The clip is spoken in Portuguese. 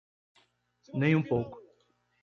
Nem um pouco.